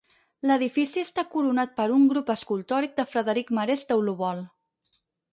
L'edifici està coronat per un grup escultòric de Frederic Marés Deulovol.